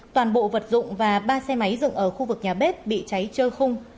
toàn bộ vật dụng và ba xe máy dựng ở khu vực nhà bếp bị cháy trơ khung